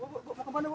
bu bu mau kemana bu